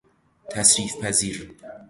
تصریف پذیر